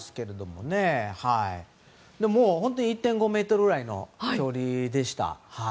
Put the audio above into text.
もう本当に１．５ｍぐらいの距離でした。